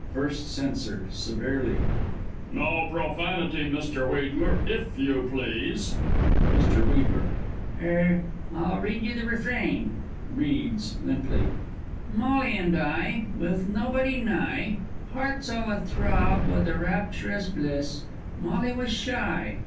First Censor (severely). No profanity, Mr. Wheedler, if you please! Mr. W. Er I'll read you the Refrain. (Reads, limply.) "Molly and I. With nobody nigh. Hearts all a throb with a rapturous bliss, Molly was shy.